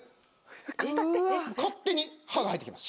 勝手に刃が入っていきます。